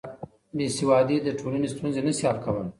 بېسوادي د ټولني ستونزې نه سي حل کولی.